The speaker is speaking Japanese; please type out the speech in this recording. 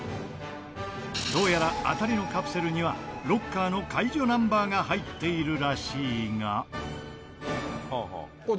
どうやら当たりのカプセルにはロッカーの解除ナンバーが入っているらしいが。